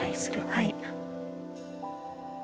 はい。